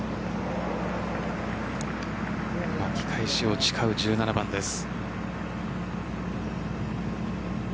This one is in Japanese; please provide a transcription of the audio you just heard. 巻き返しを誓う１７番です。